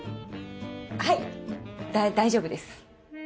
はい大丈夫です。